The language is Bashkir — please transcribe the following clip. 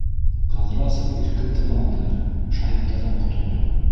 Ҡыҙрасов иркен тын алды - шаһиттарҙан ҡотолдо.